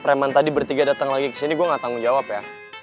keren banget tadi bertiga dateng lagi kesini gue gak tanggung jawab ya